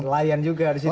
layan juga disitu masuk ya